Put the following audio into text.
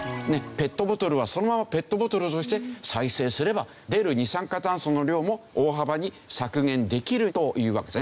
ペットボトルはそのままペットボトルとして再生すれば出る二酸化炭素の量も大幅に削減できるというわけですね。